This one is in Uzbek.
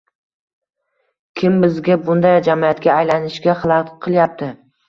Kim bizga bunday jamiyatga aylanishga xalaqit qilyapti